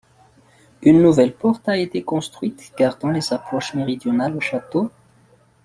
Une nouvelle porte a été construite gardant les approches méridionales au château.